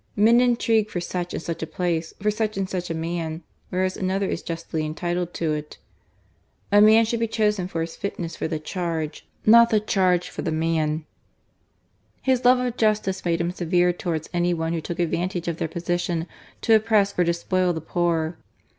Men intrigue for such and such a place, for such and such a man, whereas another is justly entitled to it. A man should be chosen for his fitness for the charge, not the charge for the man." GARCIA MORENO. His love of justice made him severe towards any who took advantage of their position to oppress or despoil the poor.